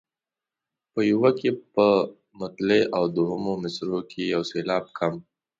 په یوه کې په مطلع او دوهمو مصرعو کې یو سېلاب کم.